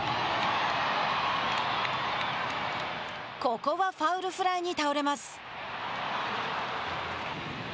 ここはファウルフライに倒れます。